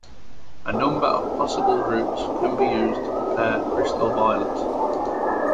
A number of possible routes can be used to prepare crystal violet.